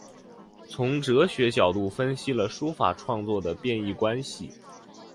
从哲学角度分析了书法创作的变易关系。